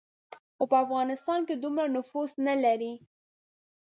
خو په افغانستان کې دومره نفوذ نه لري.